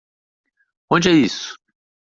Onde é isso?